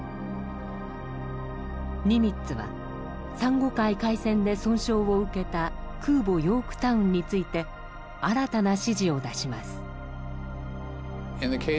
ニミッツは珊瑚海海戦で損傷を受けた空母ヨークタウンについて新たな指示を出します。